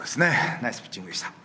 ナイスピッチングでした。